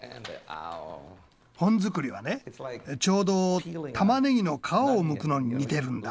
本作りはねちょうどたまねぎの皮をむくのに似てるんだ。